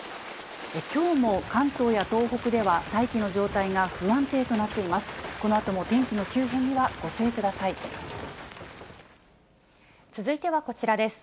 きょうも関東や東北では大気の状態が不安定となっています。